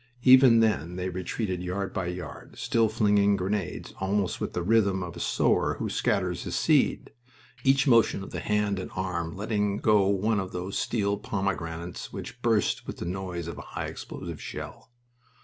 Even then they retreated yard by yard, still flinging grenades almost with the rhythm of a sower who scatters his seed, each motion of the hand and arm letting go one of those steel pomegranates which burst with the noise of a high explosive shell.